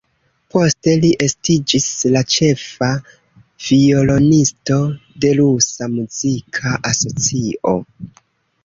Poste li estiĝis la ĉefa violonisto de Rusa Muzika Asocio.